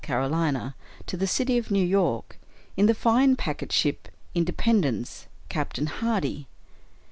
C, to the city of New York, in the fine packet ship " Independence," Captain Hardy.